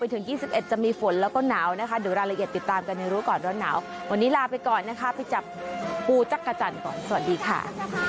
เตือนกันอีกครั้งลงหน้า๑๗